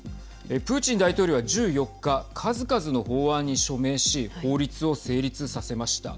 プーチン大統領は１４日数々の法案に署名し法律を成立させました。